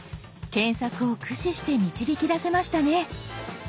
検索を駆使して導き出せましたね。